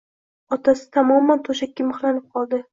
Otasi tamoman to`shakka mixlanib qoldi